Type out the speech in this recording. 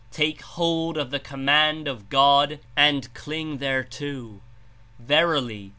Take hold of the Command of God and cling thereto; verily.